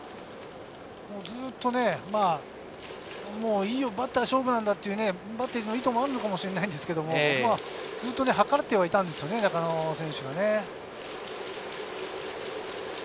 ずっといいバッター勝負なんだという意図もあるかもしれないんですけれど、はかってはいたんですよね、中野選手は。